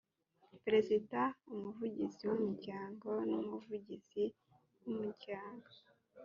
perezida umuvugizi w ‘umuryango numuvugizi wumuryango.